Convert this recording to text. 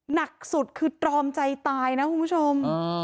หนักสุดคือตรอมใจตายนะคุณผู้ชม